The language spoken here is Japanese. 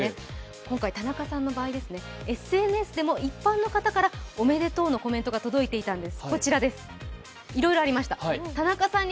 今回田中さんの場合、ＳＮＳでも一般の方からおめでとうのコメントが届いていたんです。